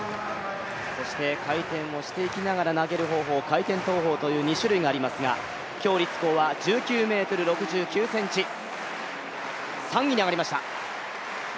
そして回転をしていきながら投げる方法、回転投法という２種類がありますが、鞏立コウは１９ｍ６９ｃｍ、３位に上がりました。